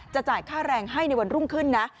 จ่ายค่าแรงให้ในวันรุ่งขึ้นนะ